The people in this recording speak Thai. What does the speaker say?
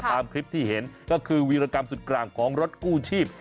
ตามคลิปที่เห็นก็คือวีรกรรมสุดกลางของรถกู้ชีพ